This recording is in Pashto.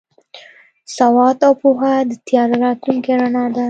سواد او پوهه د تیاره راتلونکي رڼا ده.